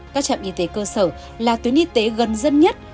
các trạm y tế cơ sở là tuyến y tế gần dân nhất